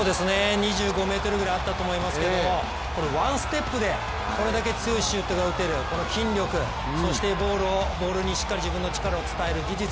２５ｍぐらいあったと思いますけれどもこれワンステップでこれだけ強いシュートが打てる、この筋力、そしてボールにしっかり自分の力を伝える技術